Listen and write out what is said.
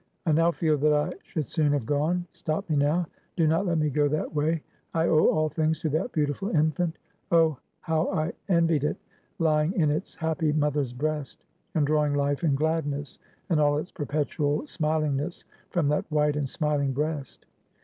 I now feel that I should soon have gone, stop me now; do not let me go that way. I owe all things to that beautiful infant. Oh, how I envied it, lying in its happy mother's breast, and drawing life and gladness, and all its perpetual smilingness from that white and smiling breast.